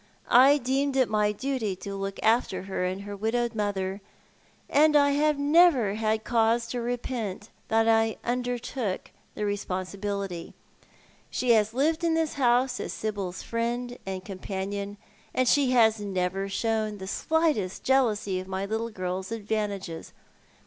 I deemed it my duty to look after her and her widowed mother, and I have never had cause to repent that I If it could have been. "j^ undertook the responsibility. She has lived in this honse as Sibyl's friend and companion, and she has never shown the slightest jealousy of my little girl's advantages.